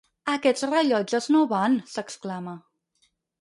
Aquests rellotges no van —s'exclama—.